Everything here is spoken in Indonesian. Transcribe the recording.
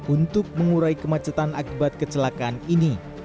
untuk mengurai kemacetan akibat kecelakaan ini